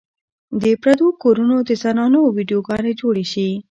د پردو کورونو د زنانو ويډيو ګانې جوړې شي